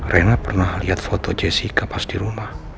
rena pernah liat foto jessica pas dirumah